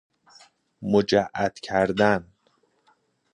مجعد کردن